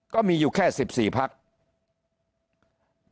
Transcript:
ก็มีอยู่แค่๑๔พัก